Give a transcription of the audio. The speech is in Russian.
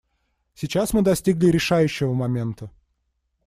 Сейчас мы достигли решающего момента.